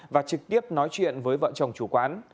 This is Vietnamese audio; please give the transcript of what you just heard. và trực tiếp nói chuyện với vợ chồng chủ quán